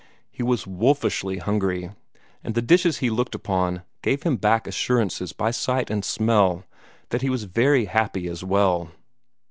He was wolfishly hungry, and the dishes he looked upon gave him back assurances by sight and smell that he was very happy as well.